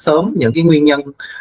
sớm những nguyên nhân